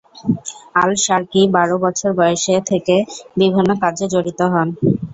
Al-Sharqi বারো বছর বয়স থেকে বিভিন্ন কাজে জড়িত হন।